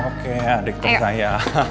oke adik tersayang